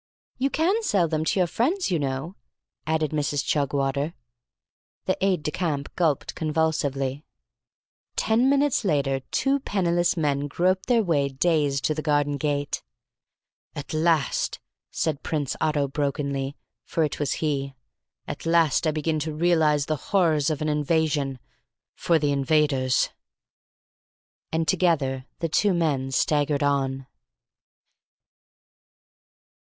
"You can sell them to your friends, you know," added Mrs. Chugwater. The aide de camp gulped convulsively. Ten minutes later two penniless men groped their way, dazed, to the garden gate. "At last," said Prince Otto brokenly, for it was he, "at last I begin to realise the horrors of an invasion for the invaders." And together the two men staggered on.